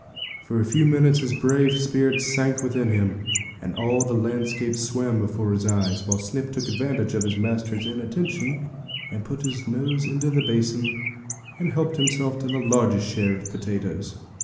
For a few minutes his brave spirit sank within him, and all the landscape swam before his eyes; while Snip took advantage of his master's inattention to put his nose into the basin, and help himself to the largest share of the potatoes.